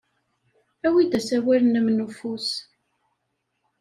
Awi-d asawal-nnem n ufus.